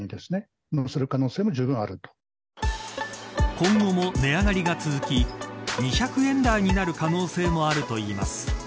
今後も値上がりが続き２００円台になる可能性もあるといいます。